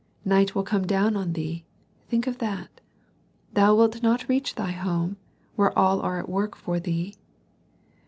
Night will come down on thee, think of that; thou wilt not reach thy home, where all are at work for thee.